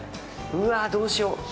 うわ、どうしよう。